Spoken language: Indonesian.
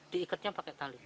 diikatnya pakai tali